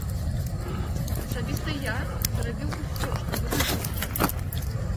Асабіста я зрабіў усё, што вызначыў штаб.